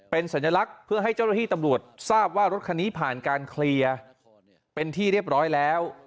เป็นสัญลักษณ์เพื่อให้เจ้าหน้าที่ตำรวจทราบว่ารถคันนี้ผ่านการเคลียร์เป็นที่เรียบร้อยแล้ว